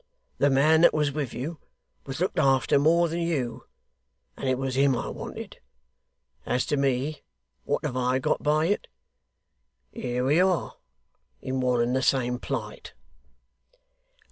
The man that was with you was looked after more than you, and it was him I wanted. As to me, what have I got by it? Here we are, in one and the same plight.